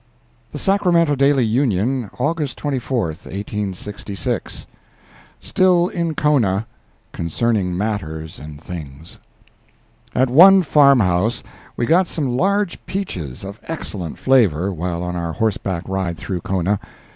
The Sacramento Daily Union, August 24, 1866 STILL IN KONA—CONCERNING MATTERS AND THINGS At one farmhouse we got some large peaches of excellent flavor while on our horseback ride through Kona.